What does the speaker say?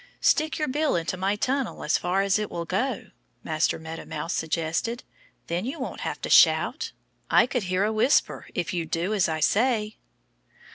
"Stick your bill into my tunnel as far as it will go," Master Meadow Mouse suggested. "Then you won't have to shout. I could hear a whisper if you'd do as I say."